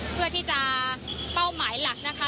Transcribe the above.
เพื่อที่จะเป้าหมายหลักนะคะ